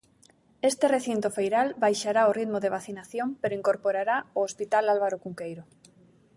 Este recinto feiral baixará o ritmo de vacinación pero incorporará o hospital Álvaro Cunqueiro.